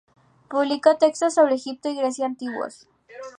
Publicó textos sobre Egipto y Grecia antiguos.